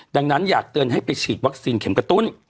ดังนั้นอยากเตือนให้ไปฉีดวัคซีนเข็มกระตุ้น